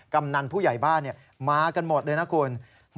กำนันผู้ใหญ่บ้านมากันหมดเลยนะคุณ